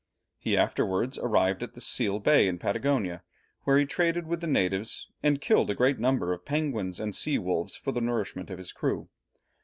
He afterwards arrived at Seal Bay in Patagonia, where he traded with the natives, and killed a great number of penguins and sea wolves for the nourishment of his crew.